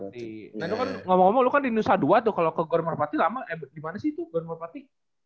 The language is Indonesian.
nah itu kan ngomong ngomong lo kan di nusa dua tuh kalau ke gor merpati lama eh gimana sih itu gor merpati